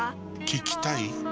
聞きたい？